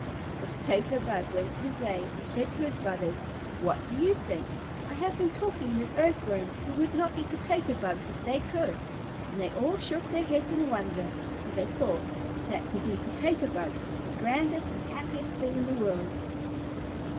The Potato Bug went his way, and said to his brothers, "What do you think? I have been talking with Earthworms who would not be Potato Bugs if they could." And they all shook their heads in wonder, for they thought that to be Potato Bugs was the grandest and happiest thing in the world.